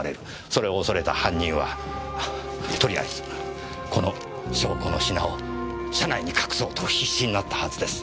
それを恐れた犯人はとりあえずこの証拠の品を車内に隠そうと必死になったはずです。